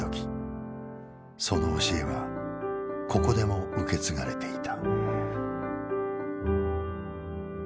その教えはここでも受け継がれていた。